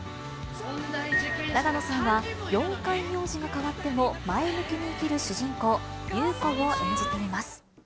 永野さんは、４回名字が変わっても前向きに生きる主人公、優子を演じています。